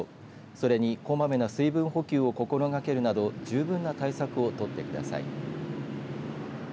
それに、こまめな水分補給を心がけるなど十分な対策を取ってください。